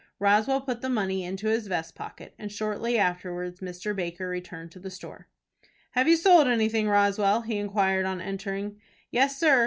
Roswell put the money into his vest pocket, and shortly afterwards Mr. Baker returned to the store. "Have you sold anything, Roswell?" he inquired, on entering. "Yes, sir.